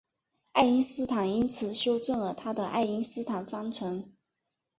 爱因斯坦因此修正了他的爱因斯坦方程。